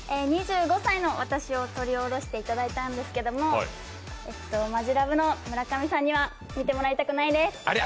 ２５歳の私を撮り下ろしていただいたんですけれどもマヂラブの村上さんには見ていただきたくないです。